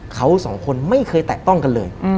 เขาสองคนไม่เคยแตะต้องกันเลย